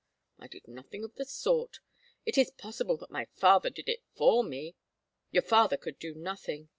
"I did nothing of the sort. It is possible that my father did it for me " "Your father could do nothing."